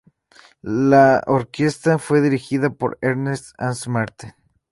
La orquesta fue dirigida por Ernest Ansermet.